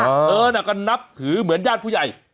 เออน่ะก็นับถือเหมือนญาติผู้ใหญ่